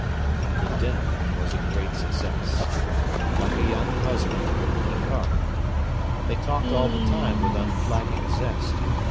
The dinner was a great success. Like a young husband, he carved. They talked all the time with unflagging zest.